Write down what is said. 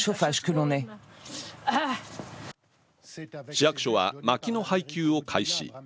市役所は、まきの配給を開始。